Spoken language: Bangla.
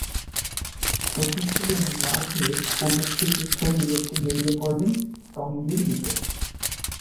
চতুর্থ দিন রাগে ক্ষোভে ঠিকই ছবি দেখতে বেরিয়ে পড়েন টঙ্গীর দিকে।